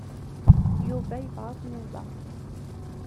Yuba yebɣa ad ken-iẓer.